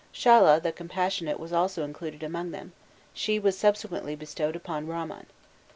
Shala, the compassionate, was also included among them; she was subsequently bestowed upon Ramman.